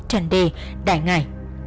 trần đề đại ngải